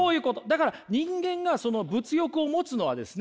だから人間がその物欲を持つのはですね